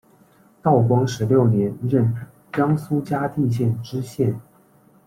道光十六年任江苏嘉定县知县。